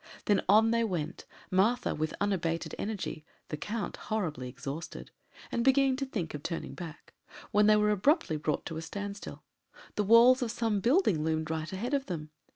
Then on they went, Martha with unabated energy, the Count horribly exhausted, and beginning to think of turning back, when they were abruptly brought to a standstill. The walls of some building loomed right ahead of them.